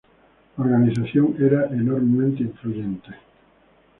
La organización era enormemente influyente.